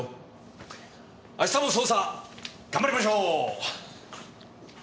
明日も捜査頑張りましょう！